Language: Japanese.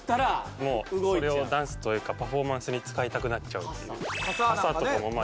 もうそれをダンスというかパフォーマンスに使いたくなっちゃうっていう傘とかもまあ